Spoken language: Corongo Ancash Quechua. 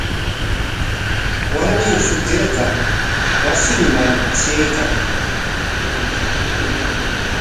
Warmi shutuykar wasinman traykan.